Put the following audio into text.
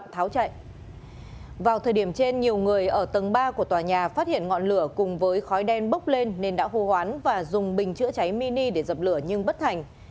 tầng ba của tòa nhà phát hiện ngọn lửa cùng với khói đen bốc lên nên đã hô hoán và dùng bình chữa cháy mini để dập lửa nhưng bất thành